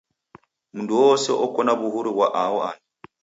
Mndu uoose oko na w'uhuru ghwa aho andu.